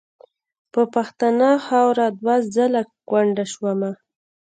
په پښتنه خاوره دوه ځله کونډه شومه .